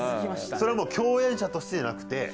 それはもう共演者としてじゃなくて。